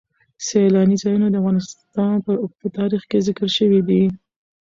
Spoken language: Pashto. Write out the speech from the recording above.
سیلانی ځایونه د افغانستان په اوږده تاریخ کې ذکر شوی دی.